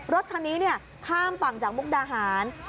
รถคันนี้เนี่ยข้ามฝั่งจากบุคดาหาร